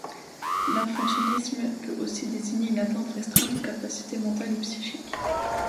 L'infantilisme peut aussi désigner une atteinte restreinte aux capacités mentales et psychiques.